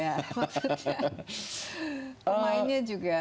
maksudnya pemainnya juga